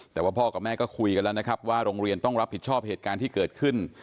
แต่ว่าพ่อกับแม่ก็คุยกันแล้วนะครับว่าโรงเรียนต้องรับผิดชอบเหตุการณ์ที่เกิดขึ้น